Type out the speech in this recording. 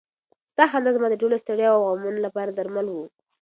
ستا خندا زما د ټولو ستړیاوو او غمونو لپاره درمل و.